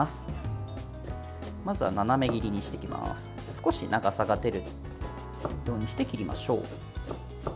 少し長さが出るようにして切りましょう。